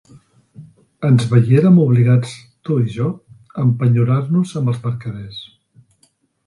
Ens veiérem obligats, tu i jo, a empenyorar-nos amb els mercaders.